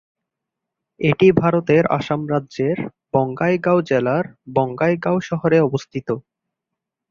এটি ভারতের আসাম রাজ্যের বঙাইগাঁও জেলার বঙাইগাঁও শহরে অবস্থিত।